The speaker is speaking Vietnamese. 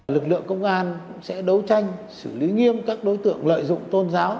lực lượng công an sẽ đấu tranh xử lý nghiêm các đối tượng lợi dụng tôn giáo